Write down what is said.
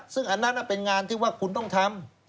ซึ่งอันนั้นเป็นงานที่ว่าคุณต้องทำ